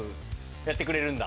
やってくれるんだ。